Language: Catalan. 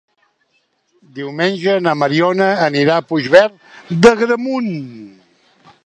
Diumenge na Mariona anirà a Puigverd d'Agramunt.